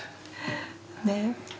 ねえ。